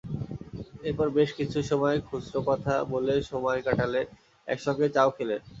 এরপর বেশ কিছু সময় খুচরো কথা বলে সময় কাটালেন, একসঙ্গে চা-ও খেলেন।